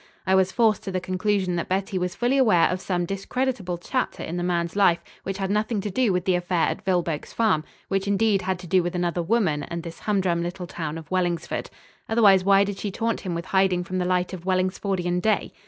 I was forced to the conclusion that Betty was fully aware of some discreditable chapter in the man's life which had nothing to do with the affair at Vilboek's Farm, which, indeed, had to do with another woman and this humdrum little town of Wellingsford. Otherwise why did she taunt him with hiding from the light of Wellingsfordian day?